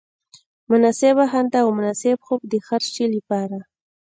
مناسبه خندا او مناسب خوب د هر شي لپاره.